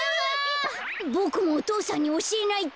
ボクもお父さんにおしえないと。